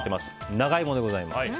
長イモでございます。